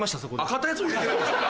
買ったやつを入れてるんですか。